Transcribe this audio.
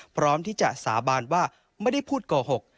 พร้อมที่จะสาบานว่าไม่ได้พูดโกหก